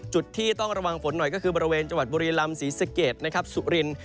จุดที่ต้องระวังฝนหน่อยก็คือบริเวณจังหวัดบุรีลำศรีสะเกดนะครับสุริน